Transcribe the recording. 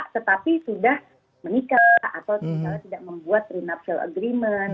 tetapi sudah menikah atau tidak membuat agreement